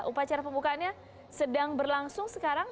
upacara pembukaannya sedang berlangsung sekarang